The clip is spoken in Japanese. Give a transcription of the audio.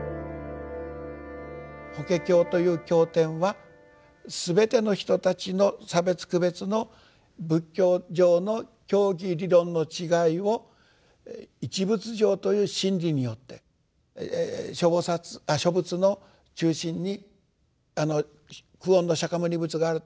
法華経という経典は全ての人たちの差別区別の仏教上の教義理論の違いを「一仏乗」という真理によって諸仏の中心に久遠の釈牟尼仏があると。